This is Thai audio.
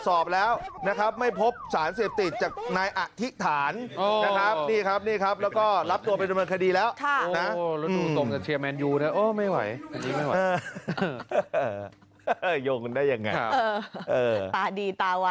โอ้ไม่ไหวยงได้ยังไง